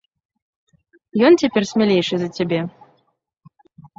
Ён цяпер смялейшы за цябе.